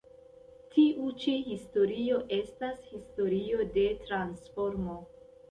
Tiu ĉi historio estas historio de transformo".